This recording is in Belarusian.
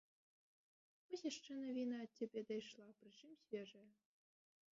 Вось яшчэ навіна ад цябе дайшла, прычым свежая.